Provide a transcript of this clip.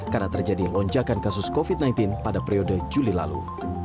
karena terjadi lonjakan kasus covid sembilan belas pada periode juli lalu